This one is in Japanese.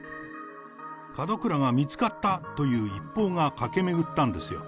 門倉が見つかったという一報が駆け巡ったんですよ。